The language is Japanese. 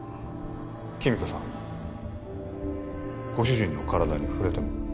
君香さんご主人の体に触れても？